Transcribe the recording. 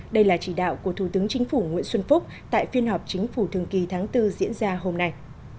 đây là chỉ đạo của thủ tướng chính phủ nguyễn xuân phúc tại phiên họp chính phủ thường kỳ tháng bốn diễn ra hôm nay